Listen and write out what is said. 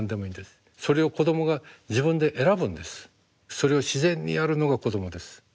それを自然にやるのが子どもです。